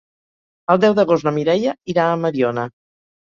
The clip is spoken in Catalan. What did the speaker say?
El deu d'agost na Mireia irà a Mediona.